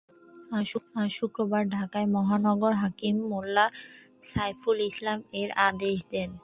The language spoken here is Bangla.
আজ শুক্রবার ঢাকার মহানগর হাকিম মোল্লা সাইফুল ইসলাম এই আদেশ দেন।